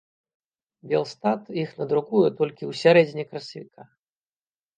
Белстат іх надрукуе толькі ў сярэдзіне красавіка.